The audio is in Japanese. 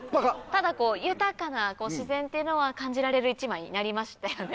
ただ豊かな自然っていうのは感じられる１枚になりましたよね。